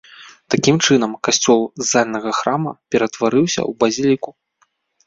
Такім чынам касцёл з зальнага храма ператварыўся ў базіліку.